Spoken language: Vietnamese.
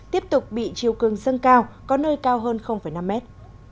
tiếp tục bị chiều cường dâng cao có nơi cao hơn năm mét